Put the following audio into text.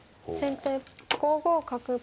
先手５五角。